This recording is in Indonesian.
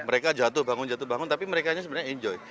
mereka jatuh bangun jatuh bangun tapi merekanya sebenarnya enjoy